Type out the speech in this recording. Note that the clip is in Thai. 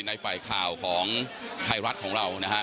ในฝ่ายข่าวของไทยรัฐของเรานะฮะ